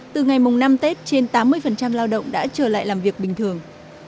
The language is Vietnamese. từ ngày mùng năm tết trên tám mươi lao động đã trở lại làm việc bình thường